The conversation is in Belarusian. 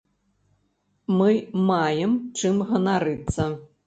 Мы маем чым ганарыцца.